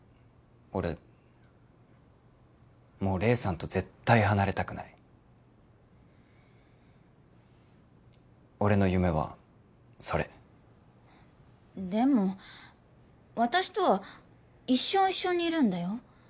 俺もう黎さんと絶対離れたくない俺の夢はそれでも私とは一生一緒にいるんだよ